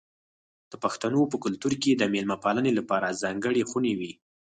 د پښتنو په کلتور کې د میلمه پالنې لپاره ځانګړې خونه وي.